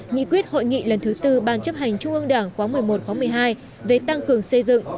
nghị quyết hội nghị lần thứ tư ban chấp hành trung ương đảng khóa một mươi một khóa một mươi hai về tăng cường xây dựng